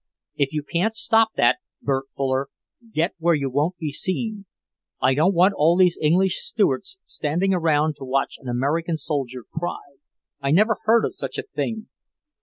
"If you can't stop that, Bert Fuller, get where you won't be seen. I don't want all these English stewards standing around to watch an American soldier cry. I never heard of such a thing!"